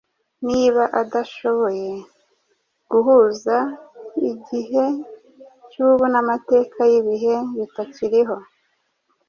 niba adashoboye guhuza igihe cy'ubu n'amateka y'ibihe bitakiriho?"